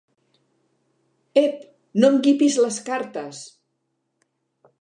Ep, no em guipis les cartes!